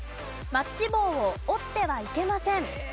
マッチ棒を折ってはいけません。